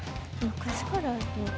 昔からあるのって。